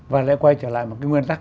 và lại quay trở lại một cái nguyên tắc